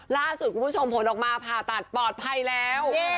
ล่าสุดคุณผู้ชมผลออกมาผ่าตัดปลอดภัยแล้ว